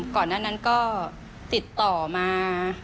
ก่อนนั้นก็ติดต่อมา